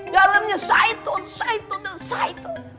dalamnya shaitan shaitan shaitan